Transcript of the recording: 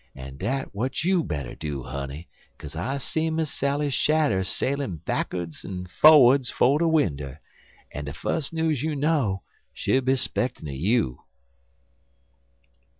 En dat w'at you better do, honey, kaze I see Miss Sally's shadder sailin' backerds en forerds 'fo' de winder, en de fus' news you know she'll be spectin' un you."